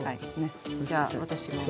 じゃあ私も。